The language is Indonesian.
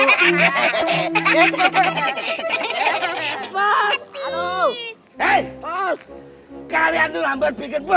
senjata makan pembantu